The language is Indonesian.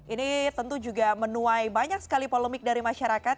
ini tentu juga menuai banyak sekali polemik dari masyarakat